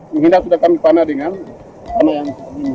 sehingga sudah kami panas dengan panah yang begini